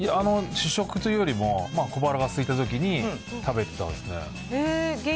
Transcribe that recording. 主食というよりも、小腹がすいたときに、食べてたんですね。